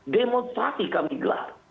demonstrasi kami gelar